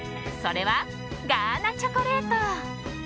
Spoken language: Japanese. それは、ガーナチョコレート。